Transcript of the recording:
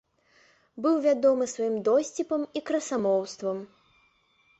Быў вядомы сваім досціпам і красамоўствам.